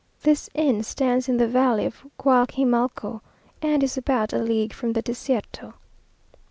This inn stands in the valley of Guajimalco, and is about a league from the Desierto.